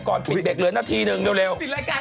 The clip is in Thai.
ก่อนปิดเบรกเหลือนาทีนึงเร็ว